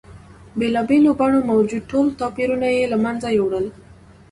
بېلا بېلو بڼو موجود ټول توپیرونه یې له منځه یوړل.